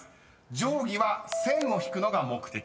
［定規は線を引くのが目的］